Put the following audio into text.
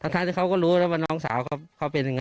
ทั้งเขาก็รู้ว่าน้องสาวเขาเป็นอย่างไร